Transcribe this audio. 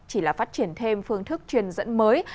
chỉ là phát triển thêm phương thức truyền dẫn mới